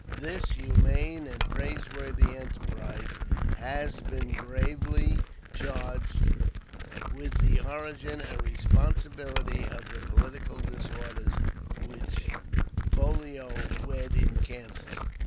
This humane and praiseworthy enterprise has been gravely charged with the origin and responsibility of the political disorders which folio wed in Kansas.